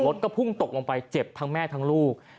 รถก็พุ่งตกลงไปเจ็บทั้งแม่ทั้งลูก